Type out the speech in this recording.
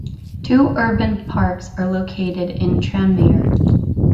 Two urban parks are located in Tranmere.